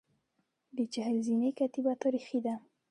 د چهل زینې کتیبه تاریخي ده